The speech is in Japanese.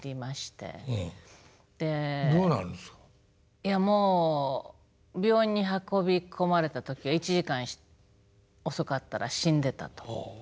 いやもう病院に運び込まれた時は「１時間遅かったら死んでた」と。